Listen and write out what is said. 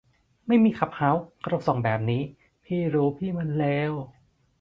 ไม่มีคลับเฮาส์ ก็ต้องส่งแบบนี้ พี่รู้พี่มันเลว